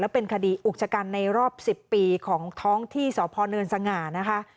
เป็นคดีอุกชะกันในรอบ๑๐ปีของท้องที่สพเนินสง่านะคะ